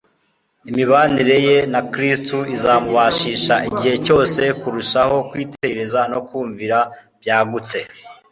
Imibanire ye na Kristo izamubashisha igihe cyose kurushaho kwitegereza no kumvira byagutse.